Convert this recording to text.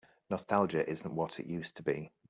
Nostalgia isn't what it used to be.